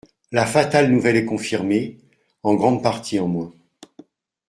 La fatale nouvelle est confirmée, en grande partie en moins.